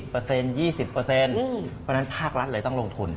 เพราะฉะนั้นภาครัฐเลยต้องลงทุน